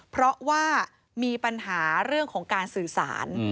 เพราะว่ามีปัญหาเรื่องของการสื่อสาร